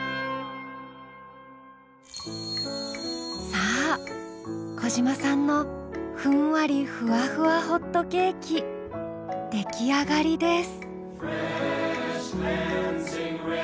さあ小嶋さんのふんわりふわふわホットケーキ出来上がりです。